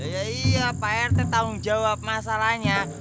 iya iya pak rt tanggung jawab masalahnya